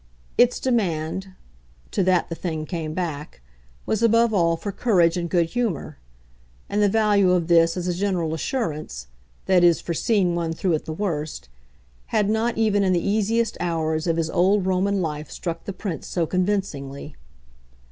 Its demand to that the thing came back was above all for courage and good humour; and the value of this as a general assurance that is for seeing one through at the worst had not even in the easiest hours of his old Roman life struck the Prince so convincingly.